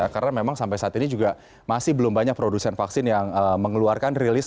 karena memang sampai saat ini juga masih belum banyak produsen vaksin yang mengeluarkan rilis